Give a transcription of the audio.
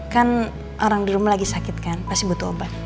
kan orang di rumah lagi sakit kan pasti butuh obat